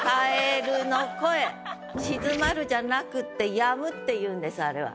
「蛙の声静まる」じゃなくって「やむ」っていうんですあれは。